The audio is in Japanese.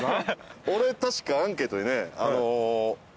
俺確かアンケートにね。